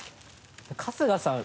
春日さん